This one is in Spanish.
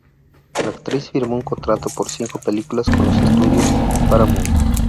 La actriz firmó un contrato por cinco películas con los Estudios Paramount.